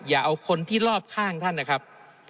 อย่าเอาคนที่รอบข้างท่านนะครับ